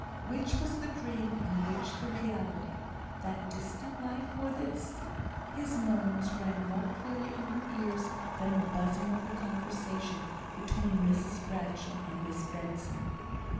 Which was the dream and which the reality? that distant life, or this? His moans rang more clearly in her ears than the buzzing of the conversation between Mrs Bradshaw and Miss Benson.